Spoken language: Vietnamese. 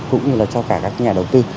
cũng như là cho cả các nhà đầu tư